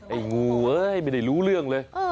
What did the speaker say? ไอ้งูเอ้ยไม่ได้รู้เรื่องเลย